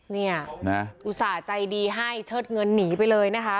เนี่ยนะอุตส่าห์ใจดีให้เชิดเงินหนีไปเลยนะคะ